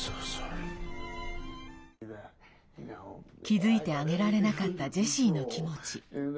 気付いてあげられなかったジェシーの気持ち。